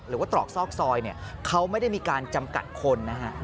หรือว่าตรอกซอกซอยเขาไม่ได้มีการจำกัดคนนะฮะ